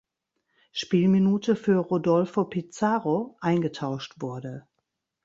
Spielminute für Rodolfo Pizarro eingetauscht wurde.